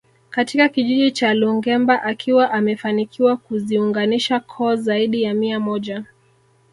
Katika kijiji cha Lungemba akiwa amefanikiwa kuziunganisha koo zaidi ya mia moja